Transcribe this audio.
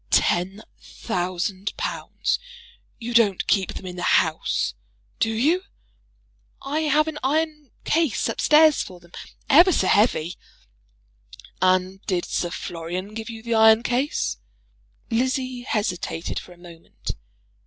"Ten thousand pounds! You don't keep them in the house; do you?" "I have an iron case up stairs for them; ever so heavy." "And did Sir Florian give you the iron case?" Lizzie hesitated for a moment.